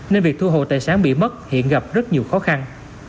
nên việc thu hồ tài sản bị mất hiện gặp rất nhiều khó khăn